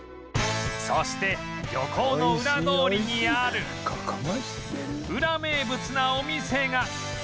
そして漁港のウラ通りにあるウラ名物なお店が